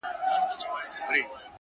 • چي پوستين له منځه ووتى جنگ سوړ سو -